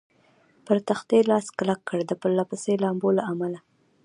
پر تختې لاس کلک کړ، د پرله پسې لامبو له امله.